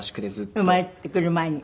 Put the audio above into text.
生まれてくる前に。